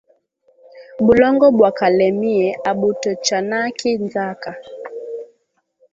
Bulongo bwa kalemie abutochanaki nzaka